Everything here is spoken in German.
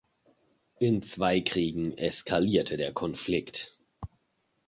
In zwei Kriegen eskalierte der Konflikt.